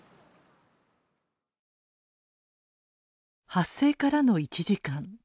発生からの１時間。